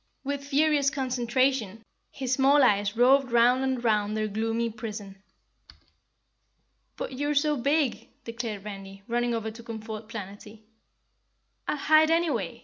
With furious concentration his small eyes roved round and round their gloomy prison. "But you're so big," declared Randy, running over to comfort Planetty. "I'll hide anyway!"